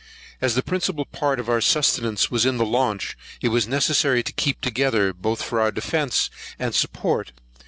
As the principal part of our subsistence was in the launch, it was necessary to keep together, both for our defence and support.